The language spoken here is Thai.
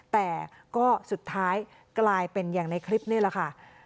แต่ก็สุดท้ายกลายเป็นอย่างในคลิปนี่แหละค่ะ